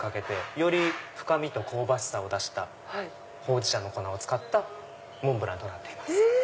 より深みと香ばしさを出したほうじ茶の粉を使ったモンブランとなっています。